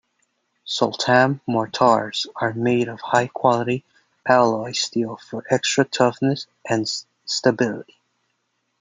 Soltam mortars are made of high quality alloy steel for extra toughness and stability.